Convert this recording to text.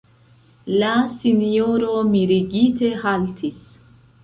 La sinjoro mirigite haltis.